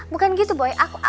bukan gitu boy